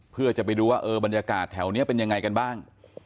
เพื่อจะไปดูว่าเออบรรยากาศแถวนี้เป็นยังไงกันบ้าง